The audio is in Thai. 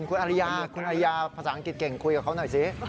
คุณอริยาคุณอริยาภาษาอังกฤษเก่งคุยกับเขาหน่อยสิ